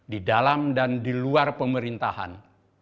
di dalam dan di luar pemerintahan